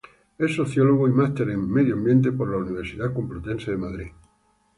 Es sociólogo y máster en Medio Ambiente de la Universidad Complutense de Madrid.